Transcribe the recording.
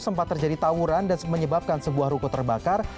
sempat terjadi tawuran dan menyebabkan sebuah ruko terbakar